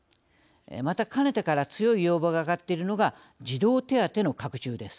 また、かねてから強い要望が上がっているのが児童手当の拡充です。